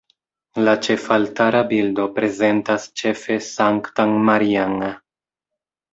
La ĉefaltara bildo prezentas ĉefe Sanktan Marian.